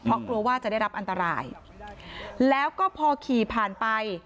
เพราะกลัวว่าจะได้รับอันตรายแล้วก็พอขี่ผ่านไป